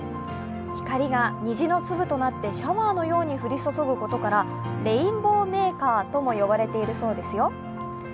光が虹の粒となってシャワーのように降り注ぐことからレインボーメーカーとも呼ばれているそうですよ。